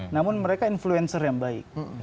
namun mereka influencer yang baik